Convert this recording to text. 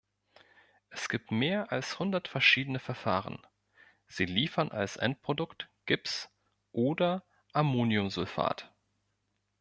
Es gibt mehr als hundert verschiedene Verfahren; sie liefern als Endprodukt Gips oder Ammoniumsulfat.